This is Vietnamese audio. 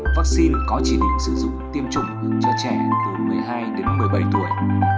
vaccine có chỉ định sử dụng tiêm chủng cho trẻ từ một mươi hai đến một mươi bảy tuổi